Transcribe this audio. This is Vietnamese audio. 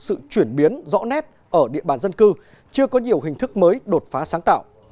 sự chuyển biến rõ nét ở địa bàn dân cư chưa có nhiều hình thức mới đột phá sáng tạo